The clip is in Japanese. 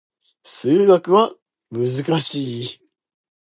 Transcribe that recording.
数学は難しい